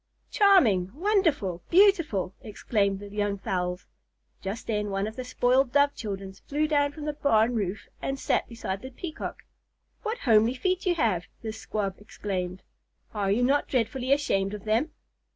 "Charming!" "Wonderful!" "Beautiful!" exclaimed the young fowls. Just then one of the spoiled Dove children flew down from the barn roof and sat beside the Peacock. "What homely feet you have!" this Squab exclaimed. "Are you not dreadfully ashamed of them?"